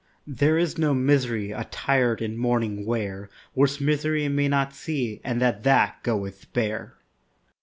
There is no misery Attired in mourning wear, Worse misery may not see, And that that goeth bare.